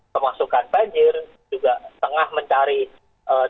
kemasukan banjir juga tengah mencari ee